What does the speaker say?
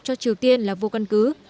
cho triều tiên là vô căn cứ